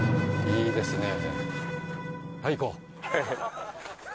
いいですね。